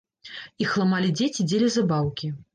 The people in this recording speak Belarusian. Іх ламалі дзеці дзеля забаўкі.